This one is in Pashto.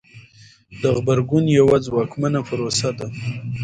د غبرګون یوه ځواکمنه پروسه ده.